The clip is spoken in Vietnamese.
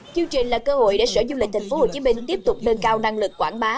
chương trình là cơ hội để sở du lịch tp hcm tiếp tục nâng cao năng lực quảng bá